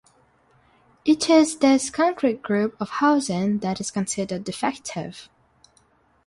It is this concrete group of housing that is considered defective.